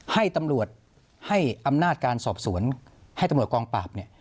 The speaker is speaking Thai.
ให้ตำรวจให้อำนาจการสอบสวนให้ตำรวจกองปราบเนี่ย